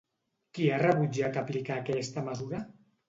Qui ha rebutjat aplicar aquesta mesura?